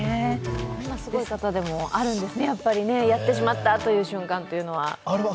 そんなすごい方でもあるんですね、やってしまったという瞬間が。